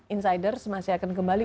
insiders masih akan kembali